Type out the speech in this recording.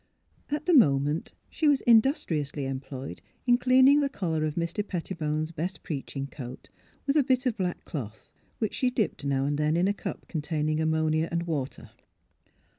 At the moment she was industriously employed in cleaning the collar of Mr. Pettibone 's best preaching coat with a bit of black cloth, which she dipped now and then in a cup containing ammonia and water.